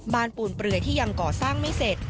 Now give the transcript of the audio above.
ปูนเปลือยที่ยังก่อสร้างไม่เสร็จ